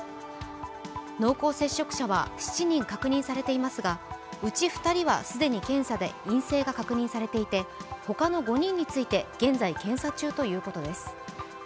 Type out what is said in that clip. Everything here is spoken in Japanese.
濃厚接触者は７人確認されていますがうち２人は既に検査で陰性が確認されていてほかの５人について現在検査中ということです。